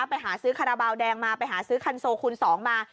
ไปหาซื้อคาราบาลแดงมาไปหาซื้อคันโซคูณ๒มา